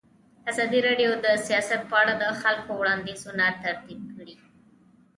ازادي راډیو د سیاست په اړه د خلکو وړاندیزونه ترتیب کړي.